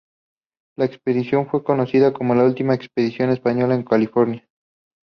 La expedición fue conocida como "La última expedición española en California".